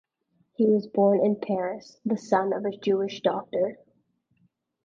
He was born in Paris, the son of a Jewish doctor.